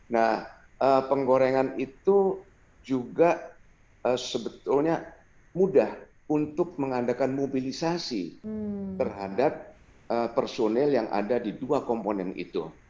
nah penggorengan itu juga sebetulnya mudah untuk mengadakan mobilisasi terhadap personil yang ada di dua komponen itu